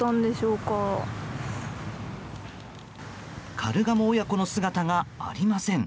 カルガモ親子の姿がありません。